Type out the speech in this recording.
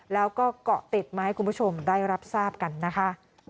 แล้วก็เกาะติดมาให้คุณผู้ชมได้รับทราบกันนะคะ